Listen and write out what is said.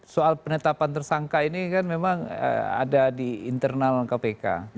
soal penetapan tersangka ini kan memang ada di internal kpk